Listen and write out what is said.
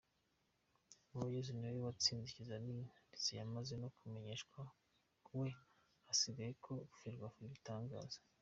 Uwayezu niwe watsinze ibizamini ndetse yamaze no kumenyeshwa we hasigaye ko Ferwafa ibitangaza.